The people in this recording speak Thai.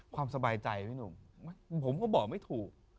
ความสบายใจว่ะท่านทิมคุกผมก็บอกไม่ถูก